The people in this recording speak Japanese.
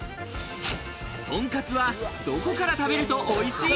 とんかつは、どこから食べるとおいしい？